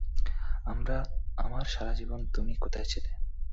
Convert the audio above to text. আমার সারা জীবন তুমি কোথায় ছিলে?